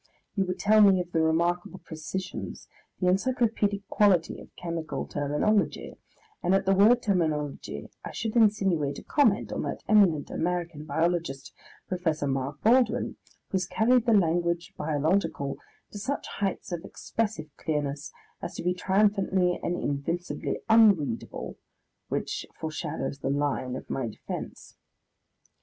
You would tell me of the remarkable precisions, the encyclopaedic quality of chemical terminology, and at the word terminology I should insinuate a comment on that eminent American biologist, Professor Mark Baldwin, who has carried the language biological to such heights of expressive clearness as to be triumphantly and invincibly unreadable. (Which foreshadows the line of my defence.)